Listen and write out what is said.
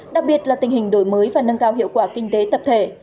đặc biệt là tình hình đổi mới và nâng cao hiệu quả kinh tế tập thể